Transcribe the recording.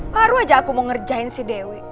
baru aja aku mau ngerjain si dewi